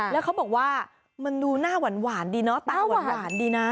แล้วเขาบอกว่ามันดูหน้าหวานดีเนาะตาหวานดีนะ